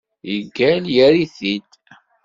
Yeggal yerr-it-id.